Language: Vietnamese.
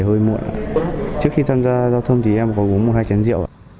trước khi tham gia giao thông thì em có uống một hai chén rượu